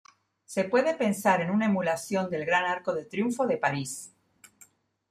Se puede pensar en una emulación del gran Arco de Triunfo de París.